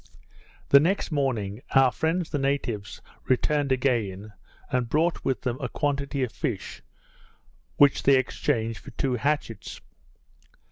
The next morning, our friends the natives returned again, and brought with them a quantity of fish, which they exchanged for two hatchets.